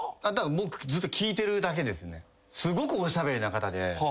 僕ずっと聞いてるだけです。